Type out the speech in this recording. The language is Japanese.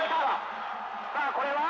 さあこれは？